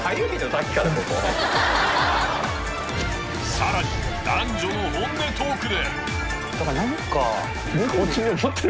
さらに男女の本音トークで。